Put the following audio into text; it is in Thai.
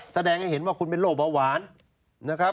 แสดงให้เห็นว่าคุณเป็นโรคเบาหวานนะครับ